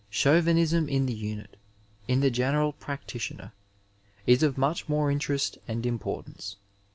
Chauvinism in the unit, in the general practitioner, is oi much more interest and importance.